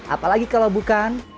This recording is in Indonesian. apalagi kalau bukan